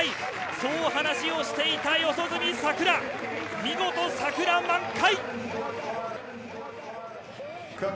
そう話をしていた四十住さくら、見事、桜満開！